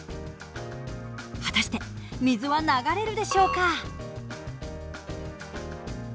果たして水は流れるでしょうか？